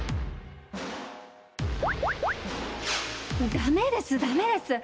ダメですダメです！